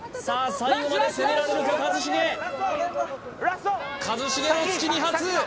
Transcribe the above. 最後まで攻められるか一茂一茂の突き２発！